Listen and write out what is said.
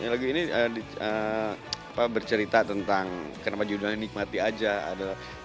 lagu ini bercerita tentang kenapa judulnya nikmati aja adalah